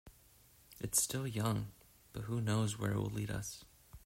It's still young, but who knows where it will lead us.